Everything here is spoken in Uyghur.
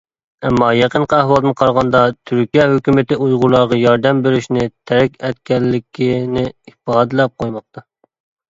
ئەمما يېقىنقى ئەھۋالدىن قارىغاندا، تۈركىيە ھۆكۈمىتى ئۇيغۇرلارغا ياردەم بېرىشنى تەرك ئەتكەنلىكىنى ئىپادىلەپ قويماقتا.